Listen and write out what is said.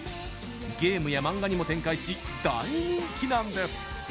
ゲームやマンガにも展開し大人気なんです！